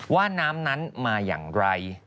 ว่าน้ำนั้นมาอย่างไร